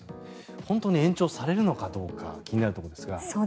本当に延長されるのかどうか気になるところですが。